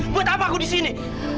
buat apa aku di sini